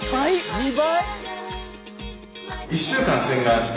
２倍！